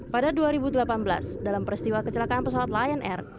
pada dua ribu delapan belas dalam peristiwa kecelakaan pesawat lion air